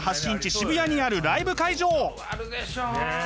渋谷にあるライブ会場。